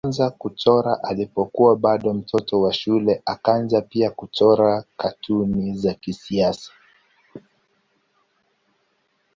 Alianza kuchora alipokuwa bado mtoto wa shule akaanza pia kuchora katuni za kisiasa.